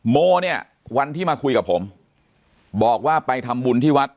โมเนี่ยวันที่มาคุยกับผมบอกว่าไปทำบุญที่วัด